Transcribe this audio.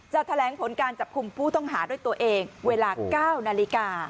แถลงผลการจับคุมผู้ต้องหาด้วยตัวเองเวลา๙นาฬิกา